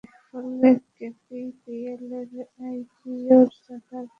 ফলে কেপিপিএলের আইপিওর চাঁদা গ্রহণসহ পরবর্তী কার্যক্রম পরিচালনায় আইনগত বাধা নেই।